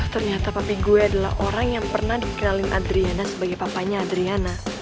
ternyata papa gue adalah orang yang pernah dikenalin adriana sebagai papanya adriana